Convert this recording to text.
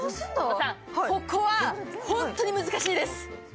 ここは本当に難しいです。